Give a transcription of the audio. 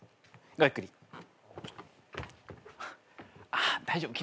ああ大丈夫。